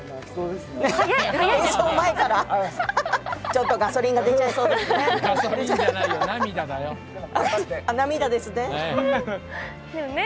ちょっとガソリンが出ちゃいそうですね。